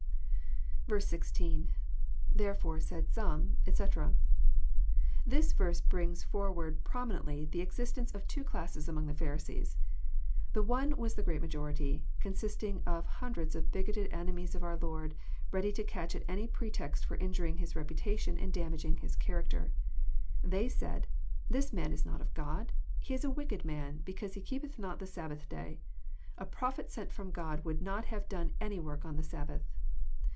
16. — ITherefore said some, etc,"] This verse brings forward promi nently the existence of two classes among the Pharisees. The one was the great minority, consisting of hundreds of bigoted enemies of our Lord, ready to catch at any pretext for injuring His reputation and damaging His character. They said, This Man is not of God. He is a wicked man, because He keepeth not the Sabbath day. A Prophet sent from God would not have done any work on the Sabbath."